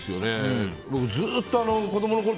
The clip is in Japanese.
ずっと子供のころ